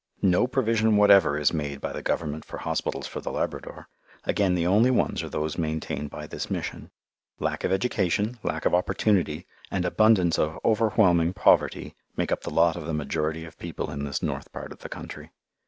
No provision whatever is made by the Government for hospitals for the Labrador. Again the only ones are those maintained by this Mission. Lack of education, lack of opportunity, and abundance of overwhelming poverty make up the lot of the majority of people in this north part of the country.